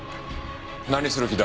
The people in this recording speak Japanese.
何する気だ？